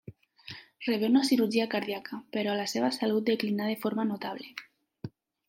Rebé una cirurgia cardíaca, però la seva salut declinà de forma notable.